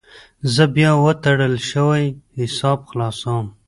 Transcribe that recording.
زه بیا وتړل شوی حساب خلاصوم.